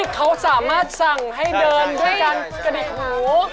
เขาสามารถสั่งให้เดินด้วยการกระดิกหู